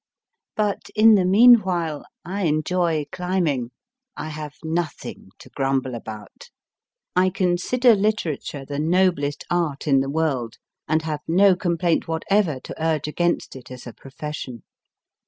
But, in the meanwhile, I enjoy climbing. I have nothing to grumble about. I consider Literature the noblest Art in the world, and have no complaint whatever to urge against it as 220 MY FIRST BOOK a profession.